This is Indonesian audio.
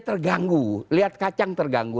terganggu lihat kacang terganggu